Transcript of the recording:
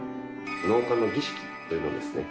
納棺の儀式というのをですね